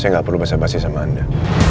saya nggak perlu berbasi basi sama anda